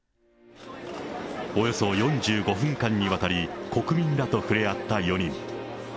およそ４５分間にわたり、国民らとふれあった４人。